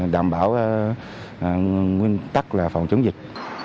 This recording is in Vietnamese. đảm bảo nguyên tắc là phòng chống dịch